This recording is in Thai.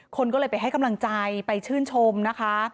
คนก็เลยไปให้กำลังใจไปชื่นชมนะคะ